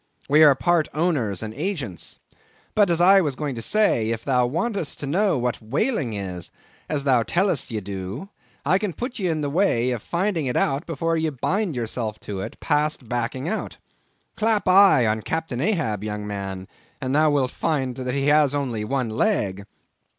We are part owners and agents. But as I was going to say, if thou wantest to know what whaling is, as thou tellest ye do, I can put ye in a way of finding it out before ye bind yourself to it, past backing out. Clap eye on Captain Ahab, young man, and thou wilt find that he has only one leg."